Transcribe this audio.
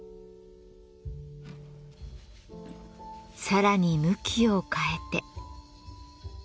更に向きを変えて。